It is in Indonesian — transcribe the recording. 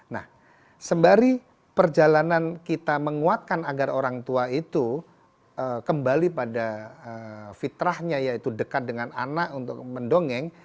nah sembari perjalanan kita menguatkan agar orang tua itu kembali pada fitrahnya yaitu dekat dengan anak untuk mendongeng